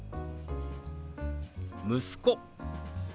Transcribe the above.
「息子」。